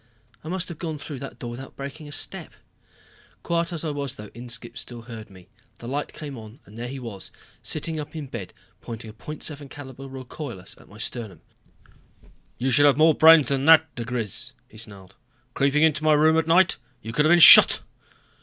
I must have gone through that door without breaking step. Quiet as I was though, Inskipp still heard me. The light came on and there he was sitting up in bed pointing a .75 caliber recoilless at my sternum. "You should have more brains than that, diGriz," he snarled. "Creeping into my room at night! You could have been shot."